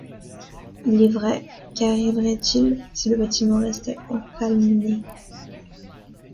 Il est vrai, qu’arriverait-il si le bâtiment restait encalminé?...